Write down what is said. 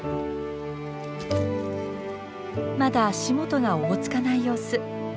まだ足元がおぼつかない様子。